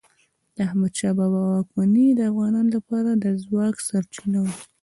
د احمد شاه بابا واکمني د افغانانو لپاره د ځواک سرچینه وه.